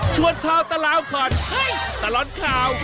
ชวนชาวตลาวก่อนเฮ้ยตลอดข่าว